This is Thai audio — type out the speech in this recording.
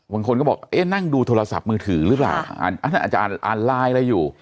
บางคนก็บอกเอ๊ะนั่งดูโทรศัพท์มือถือหรือเปล่าอันนั้นอาจจะอ่านไลน์อะไรอยู่